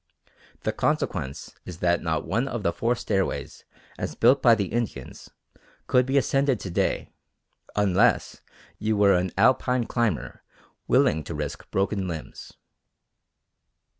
The consequence is that not one of the four stairways as built by the Indians could be ascended to day unless you were an Alpine climber willing to risk broken limbs.